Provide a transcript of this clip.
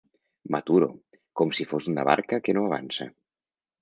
M'aturo, com si fos una barca que no avança.